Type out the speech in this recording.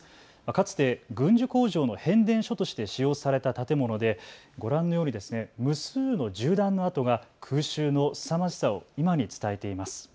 かつて軍需工場の変電所として使用された建物でご覧のように無数の銃弾の痕が空襲のすさまじさを今に伝えています。